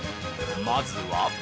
まずは。